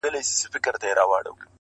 كوم ولات كي يې درمل ورته ليكلي-